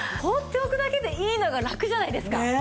放っておくだけでいいのがラクじゃないですか。